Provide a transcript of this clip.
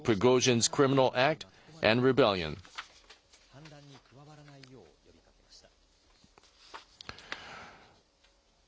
反乱に加わらないよう呼びかけました。